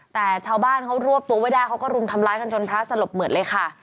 แต่ชาวบ้านเขารวบตัวไว้ได้เขาก็รุมทำร้ายกันจนพระสลบหมดเลยค่ะ